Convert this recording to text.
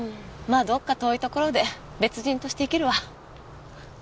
あどっか遠いところで別人として生きるわ。